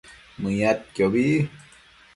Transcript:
Mëyadquiobi